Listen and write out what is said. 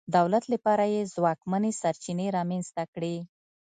دولت لپاره یې ځواکمنې سرچینې رامنځته کړې.